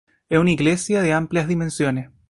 Es una iglesia de amplias dimensiones.